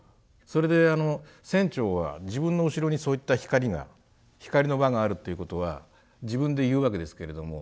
それであの船長は自分の後ろにそういった光が光の輪があるということは自分で言うわけですけれども。